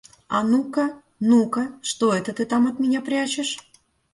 А ну-ка, ну-ка, что это ты там от меня прячешь?